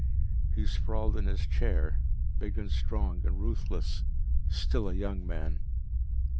He sprawled in his chair, big and strong and ruthless, still a young man.